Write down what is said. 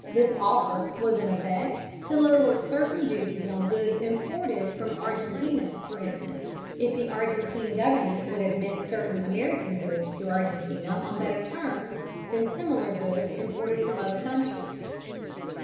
This offer was in effect to lower certain duties on goods imported from Argentina, for instance, if the Argentine government would admit certain American goods to Argentina on better terms than similar goods imported from other countries.